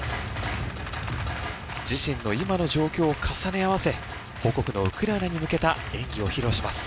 自身の今の状況を重ね合わせ母国のウクライナに向けた演技を披露します。